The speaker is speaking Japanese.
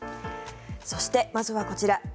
そして、まずはこちら。